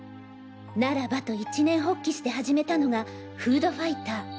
ならばと一念発起して始めたのがフードファイター。